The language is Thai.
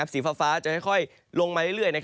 สีฟ้าจะค่อยลงมาเรื่อย